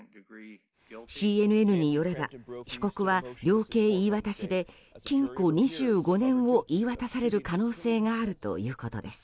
ＣＮＮによれば被告は量刑言い渡しで禁錮２５年を言い渡される可能性があるということです。